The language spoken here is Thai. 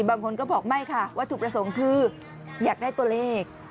บางคนก็บอกไม่ค่ะวัตถุประสงค์คืออยากได้ตัวเลข